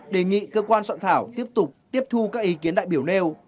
đề nghị cơ quan soạn thảo tiếp tục tiếp thu các ý kiến đại biểu nêu